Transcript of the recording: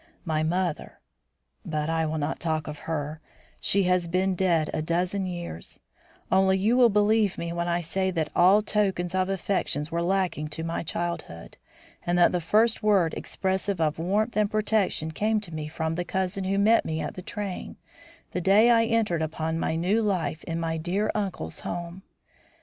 My mother but I will not talk of her; she has been dead a dozen years only you will believe me when I say that all tokens of affection were lacking to my childhood and that the first word expressive of warmth and protection came to me from the cousin who met me at the train the day I entered upon my new life in my dear uncle's home.